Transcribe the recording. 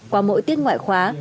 qua mỗi tuyên truyền ngoại khóa